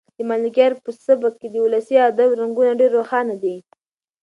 د ملکیار په سبک کې د ولسي ادب رنګونه ډېر روښانه دي.